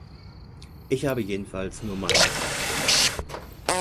Ich habe jedenfalls nur meine Karte benutzt.